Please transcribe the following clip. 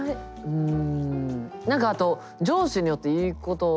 うん。